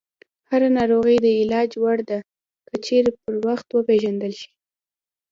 هره ناروغي د علاج وړ ده، که چیرې پر وخت وپېژندل شي.